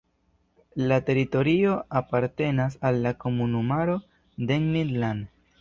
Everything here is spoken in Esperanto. La teritorio apartenas al la komunumaro "Demmin-Land".